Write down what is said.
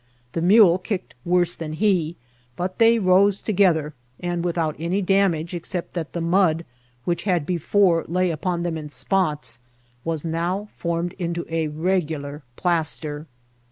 The mule kick* ed worse than he ; but they rose together, and with out any damage except that the mud, which before lay upon them in spots, was now formed into a regular plaster.